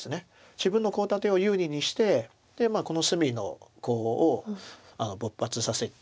自分のコウ立てを有利にしてこの隅のコウを勃発させて。